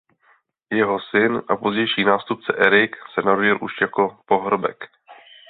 Jeho syn a pozdější nástupce Erik se narodil už jako pohrobek.